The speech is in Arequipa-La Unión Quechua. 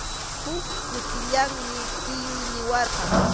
Huk kutillanmi tiyuy niwarqan.